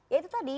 ya itu tadi